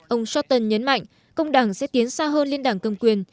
ông sutton nhấn mạnh công đảng sẽ tiến xa hơn lên đảng cầm quyền